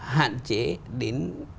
hạn chế đến